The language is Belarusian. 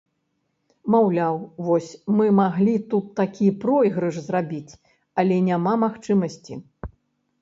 Маўляў, вось, мы маглі тут такі пройгрыш зрабіць, але няма магчымасці!